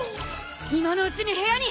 今のうちに部屋に！